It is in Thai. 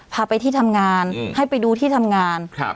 พาไปที่ทำงานให้ไปดูที่ทำงาน